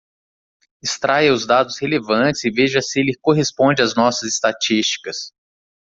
Extraia os dados relevantes e veja se ele corresponde às nossas estatísticas.